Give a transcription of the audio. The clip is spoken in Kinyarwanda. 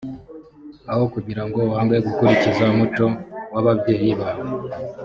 aho kugira ngo wange gukurikiza umuco w ababyeyi bawe